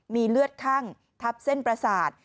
มีเลือดคั่งทับเส้นประสาท